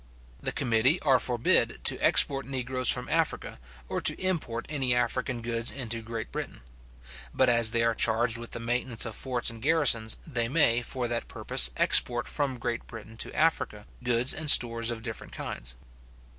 The committee are forbid to export negroes from Africa, or to import any African goods into Great Britain. But as they are charged with the maintenance of forts and garrisons, they may, for that purpose export from Great Britain to Africa goods and stores of different kinds.